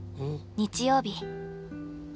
日曜日。